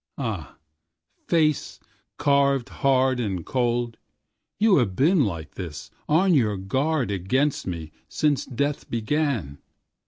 Ah face, carved hard and cold, You have been like this, on your guardAgainst me, since death began.